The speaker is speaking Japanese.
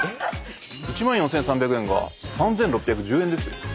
１万４，３００円が３，６１０円ですよ。